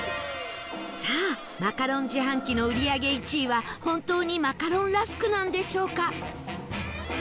さあマカロン自販機の売り上げ１位は本当にマカロンラスクなんでしょうか？